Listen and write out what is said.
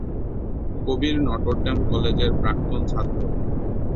কবির Notre Dame কলেজের প্রাক্তন ছাত্র।